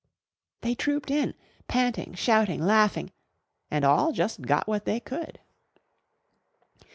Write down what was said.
They trooped in, panting, shouting, laughing, and all just got what they could.